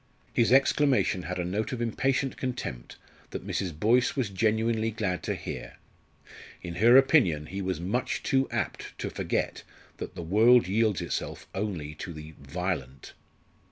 His exclamation had a note of impatient contempt that Mrs. Boyce was genuinely glad to hear. In her opinion he was much too apt to forget that the world yields itself only to the "violent."